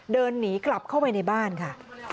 เดินหนีกลับเข้าไปในบ้านค่ะ